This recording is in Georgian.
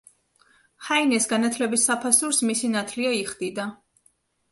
ჰაინეს განათლების საფასურს, მისი ნათლია იხდიდა.